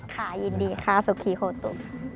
ค่ะยินดีค่ะสุขีโฮตุ